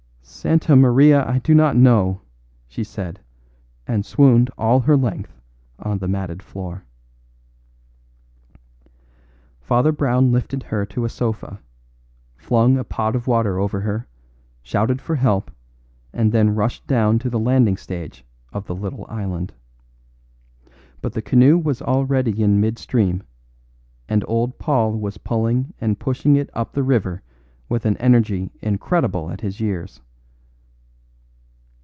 "Santa Maria! I do not know," she said; and swooned all her length on the matted floor. Father Brown lifted her to a sofa, flung a pot of water over her, shouted for help, and then rushed down to the landing stage of the little island. But the canoe was already in mid stream, and old Paul was pulling and pushing it up the river with an energy incredible at his years.